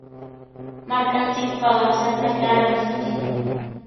Markanchikpaqa Santa Clarami shutin.